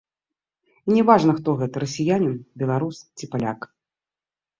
І не важна, хто гэта, расіянін, беларус ці паляк.